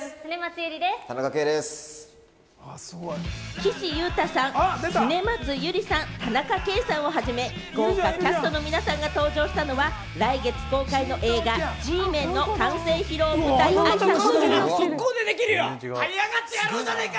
岸優太さん、恒松祐里さん、田中圭さんをはじめ、豪華キャストの皆さんが登場したのは来月公開の映画『Ｇメン』の完成披露舞台あいさつ。